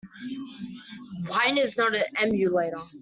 Wine is not an emulator.